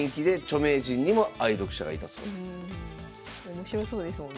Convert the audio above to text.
面白そうですもんね。